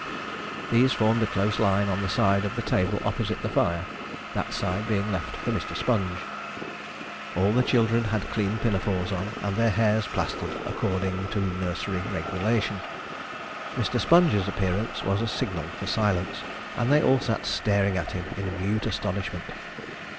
These formed a close line on the side of the table opposite the fire, that side being left for Mr. Sponge. All the children had clean pinafores on, and their hairs plastered according to nursery regulation. Mr. Sponge's appearance was a signal for silence, and they all sat staring at him in mute astonishment.